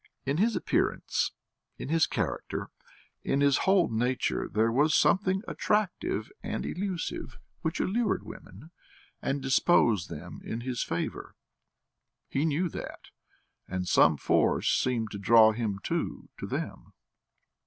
In his appearance, in his character, in his whole nature, there was something attractive and elusive which allured women and disposed them in his favour; he knew that, and some force seemed to draw him, too, to them.